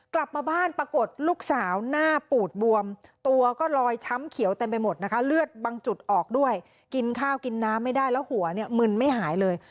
กลับมาบ้านปรากฏลูกสาวหน้าปูดบวมตัวก็ลอยช้ำเขียวเต็มไปหมดนะคะเลือดบางจุดออกด้วยกินข้าวกินน้ำไม่ได้แล้วหัวเนี่ยมึนไม่หายเลย